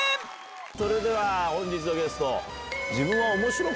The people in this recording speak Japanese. それでは本日のゲスト。え？